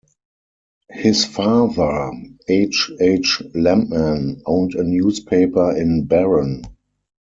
His father, H. H. Lampman, owned a newspaper in Barron.